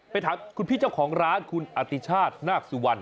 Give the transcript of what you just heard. ถามคุณพี่เจ้าของร้านคุณอติชาตินาคสุวรรณ